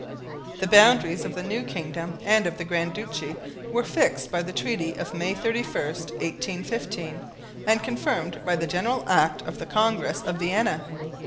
The boundaries of the new kingdom and of the Grand Duchy were fixed by the treaty of May 31, 1815, and confirmed by the General Act of the Congress of Vienna.